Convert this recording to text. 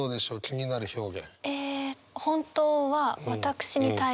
気になる表現。